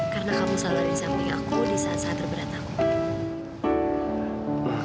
karena kamu selalu di samping aku di saat saat terberat aku